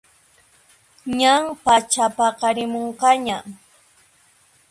Ñan pachapaqarimunqaña